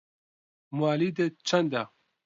موالیدت چەندە؟